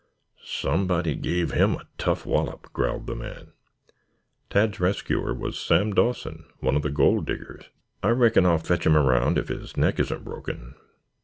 Somebody gave him a tough wallop," growled the man. Tad's rescuer was Sam Dawson, one of the Gold Diggers. "I reckon I'll fetch him around if his neck isn't broken."